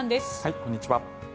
こんにちは。